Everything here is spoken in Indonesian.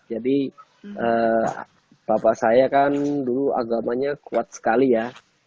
jadi bapak saya kan dulu agamanya kuat sekali ya